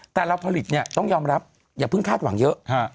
แต่เราผลิตเนี่ยต้องยอมรับอย่าเพิ่งคาดหวังเยอะ